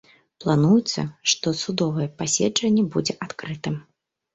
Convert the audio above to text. Плануецца, што судовае паседжанне будзе адкрытым.